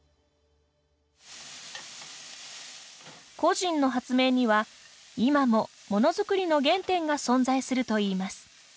個人の発明には、今もモノづくりの原点が存在するといいます。